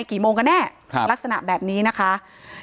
ถ้าใครอยากรู้ว่าลุงพลมีโปรแกรมทำอะไรที่ไหนยังไง